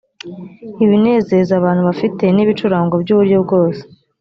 ibinezeza abantu bafite n ibicurangwa by uburyo bwose